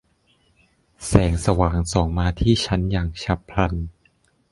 แสงสว่างส่องมาที่ฉันอย่างฉับพลัน